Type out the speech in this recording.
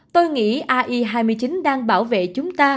tôi nghĩ ai hai mươi chín đang bảo vệ chúng ta